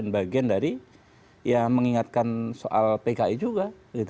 bagian dari ya mengingatkan soal pki juga